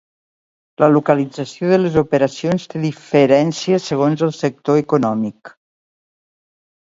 La localització de les operacions té diferències segons el sector econòmic.